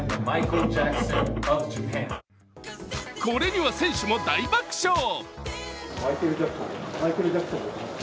これには選手も大爆笑。